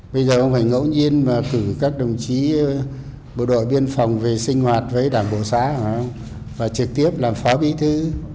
bây giờ không phải ngẫu nhiên mà cử các đồng chí bộ đội biên phòng về sinh hoạt với đảng bộ xã và trực tiếp làm phó bí thư